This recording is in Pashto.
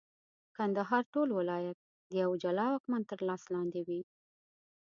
کندهار ټول ولایت د یوه جلا واکمن تر لاس لاندي وي.